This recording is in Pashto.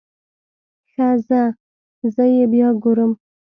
ښه ځه زه يې بيا ګورم.